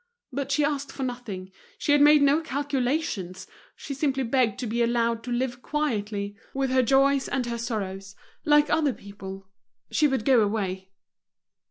But she asked for nothing, she had made no calculations, she simply begged to be allowed to live quietly, with her joys and her sorrows, like other people. She would go away.